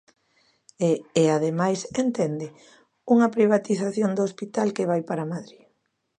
E é ademais –¿entende?– unha privatización do hospital que vai para Madrid.